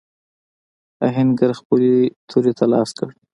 آهنګر خپلې تورې ته لاس کړ.